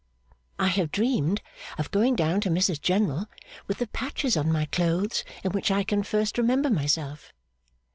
I have dreamed of going down to Mrs General, with the patches on my clothes in which I can first remember myself.